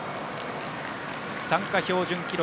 参加標準記録